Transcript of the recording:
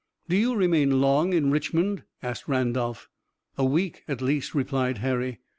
"Do you remain long in Richmond?" asked Randolph. "A week at least," replied Harry.